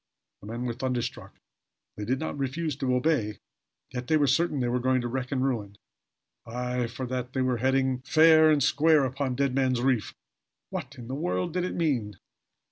The men were thunderstruck. They did not refuse to obey, yet they were sure they were going to wreck and ruin. Aye for they were heading fair and square upon Dead Man's Reef! What in the world did it mean?